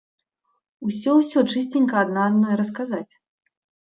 Усё, усё чысценька адна адной расказаць.